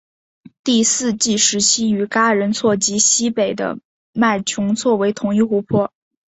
第四纪时期与嘎仁错及西北部的麦穷错为同一湖泊。